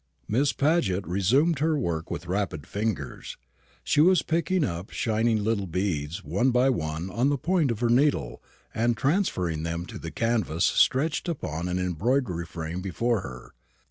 Miss Paget resumed her work with rapid fingers. She was picking up shining little beads one by one on the point of her needle, and transferring them to the canvas stretched upon an embroidery frame before her.